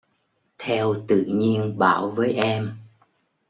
Theo tự nhiên bảo với em